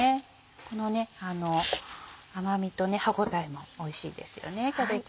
この甘みと歯応えもおいしいですよね。